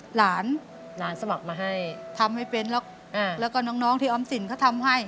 หลานหลานสมัครมาให้ทำไม่เป็นหรอกแล้วก็น้องน้องที่ออมสินเขาทำให้